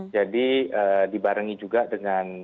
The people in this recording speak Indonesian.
jadi dibarengi juga dengan